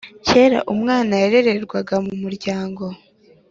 Kera umwana yarererwaga mu muryango